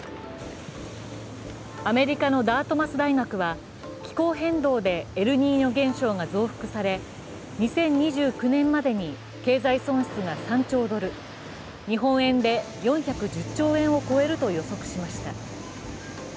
アメリカのダートマス大学は気候変動でエルニーニョ現象が増幅され、２０２９年までに経済損失が３兆ドル日本円で４１０兆円を超えると予測しました。